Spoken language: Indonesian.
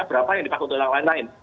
berapa yang dipakai untuk yang lain lain